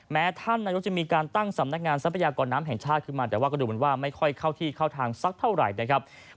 ท่านนายกจะมีการตั้งสำนักงานทรัพยากรน้ำแห่งชาติขึ้นมาแต่ว่าก็ดูเหมือนว่าไม่ค่อยเข้าที่เข้าทางสักเท่าไหร่นะครับ